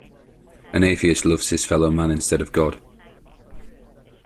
An atheist loves his fellow man instead of god.